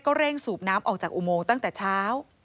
เร่งสูบน้ำออกจากอุโมงตั้งแต่เช้า